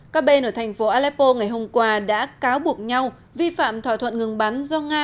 các bên ở thành phố aleppo ngày hôm qua đã cáo buộc nhau vi phạm thỏa thuận ngừng bắn do nga